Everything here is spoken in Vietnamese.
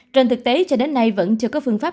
trên thực tế cho đến nay vẫn chưa có phương pháp